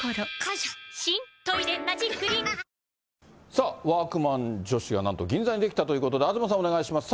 さあ、ワークマン女子がなんと銀座に出来たということで、東さんお願いします。